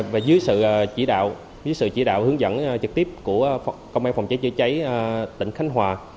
và dưới sự chỉ đạo dưới sự chỉ đạo hướng dẫn trực tiếp của công an phòng cháy chữa cháy tỉnh khánh hòa